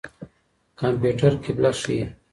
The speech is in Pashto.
کمپيوټر قبله ښيي.